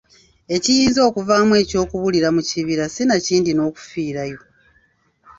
Ekiyinza okuvaamu eky'okubulira mu kibira sinakindi n’okufiirayo.